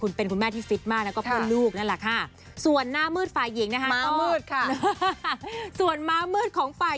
คุณเป็นคุณแม่ที่ฟิตที่มากและก็พ่อลูกนั่นล่ะค่ะ